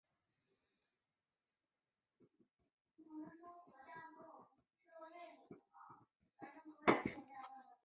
一位穷苦的老裁缝必须在圣诞夜前为市长赶制礼服。